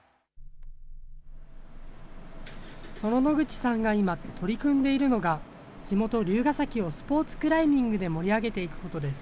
その野口さんが今、取り組んでいるのが、地元、龍ケ崎をスポーツクライミングで盛り上げていくことです。